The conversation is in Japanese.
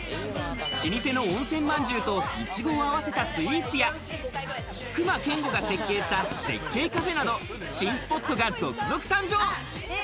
老舗の温泉饅頭といちごを合わせたスイーツや、隈研吾が設計した絶景カフェなど、新スポットが続々誕生！